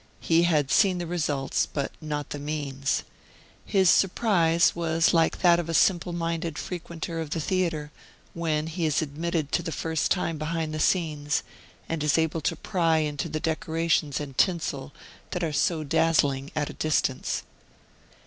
He had seen the results, but not the means. His surprise was like that of a simple minded frequenter of the theatre, when he is admitted for the first time behind the scenes, and is able to pry into the decorations and tinsel that are so dazzling at a distance.